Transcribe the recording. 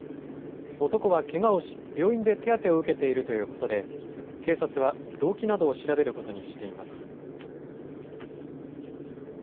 男はけがをし病院で手当てを受けているということで警察は動機などを調べることにしています。